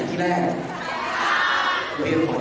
ใช่มั้ยคะ